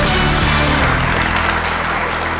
มค